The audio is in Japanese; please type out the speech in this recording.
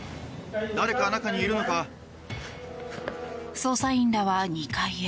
捜査員らは２階へ。